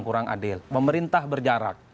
kurang adil pemerintah berjarak